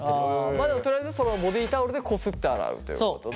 まあでもとりあえずそのボディータオルでこすって洗うということで。